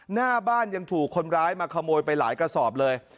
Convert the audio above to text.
หน้าบ้านยังถูกคนร้ายมาขโมยไปหลายกระสอบเลย